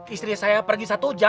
istri saya pergi satu hari aja